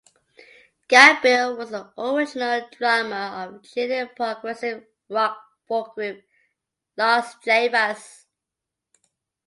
Gabriel was the original drummer of Chilean progressive rock-folk group Los Jaivas.